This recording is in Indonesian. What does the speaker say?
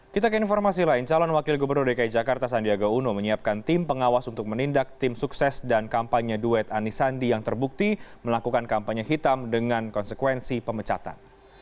kita ke informasi lain calon wakil gubernur dki jakarta sandiaga uno menyiapkan tim pengawas untuk menindak tim sukses dan kampanye duet anis sandi yang terbukti melakukan kampanye hitam dengan konsekuensi pemecatan